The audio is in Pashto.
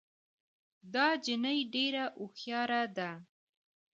دا جینۍ ډېره هوښیاره ده